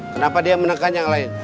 kenapa dia menekan yang lain